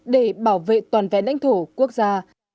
để bảo vệ toàn vẹn đánh thổ quốc gia